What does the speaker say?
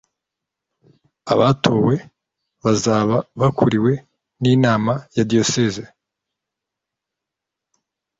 Abatowe bazaba bakuriwe n inama ya diyoseze